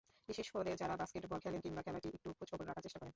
বিশেষ করে যাঁরা বাস্কেটবল খেলেন, কিংবা খেলাটির একটু খোঁজখবর রাখার চেষ্টা করেন।